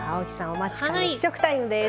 お待ちかね試食タイムです。